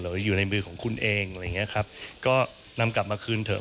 อยู่ในมือของคุณเองอะไรอย่างเงี้ยครับก็นำกลับมาคืนเถอะ